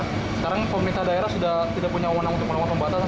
sekarang pemerintah daerah sudah tidak punya wawonan untuk melakukan pembatasan